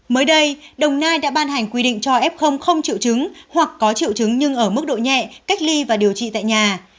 mới đây đồng nai đã ban hành quy định cho f không triệu chứng hoặc có triệu chứng nhưng ở mức độ nhẹ cách ly và điều trị tại nhà